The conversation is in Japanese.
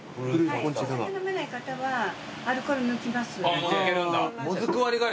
お酒飲めない方はアルコール抜きます。